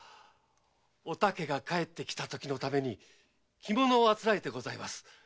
お竹が帰ってきたときのために着物をあつらえてございます。